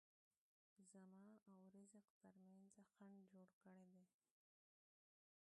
زما او رزق ترمنځ خنډ جوړ کړي.